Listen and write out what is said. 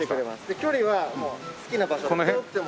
距離はもう好きな場所遠くても。